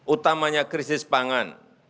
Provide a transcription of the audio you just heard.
utamanya krisis pangan